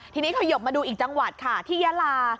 ทีนี้ขยบมาดูอีกจังหวัดค่ะที่ยาลา